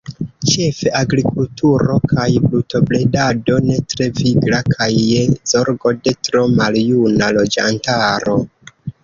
Ĉefe agrikulturo kaj brutobredado ne tre vigla kaj je zorgo de tro maljuna loĝantaro.